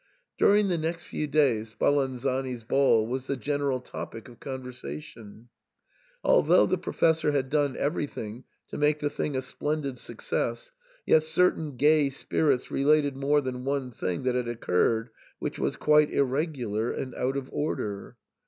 During the next few days Spalanzani's ball was the general topic of conversation. Although the Professor had done everything to make the thing a splendid suc cess, yet certain gay spirits related more than one thing that had occurred which was quite irregular and out of order.